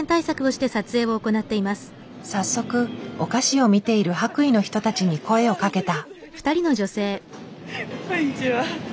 早速お菓子を見ている白衣の人たちに声をかけた。